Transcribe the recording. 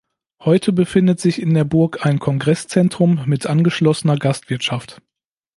Heute befindet sich in der Burg ein Kongresszentrum mit angeschlossener Gastwirtschaft.